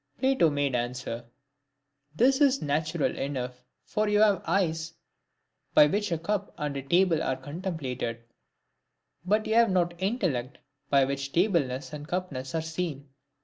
Plato made answer, " That is natural enough, for you have eyes, by which a cup and a table are contemplated ; but you have not intellect, by which tableness and cupness are seen."